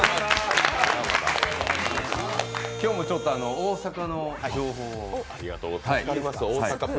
今日も大阪の情報を。